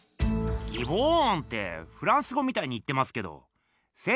ギボーンってフランス語みたいに言ってますけど仙